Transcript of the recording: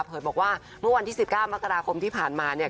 บอกว่าเมื่อวันที่๑๙มกราคมที่ผ่านมาเนี่ย